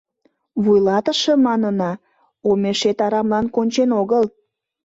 Вуйлатыше, манына, омешет арамлан кончен огыл.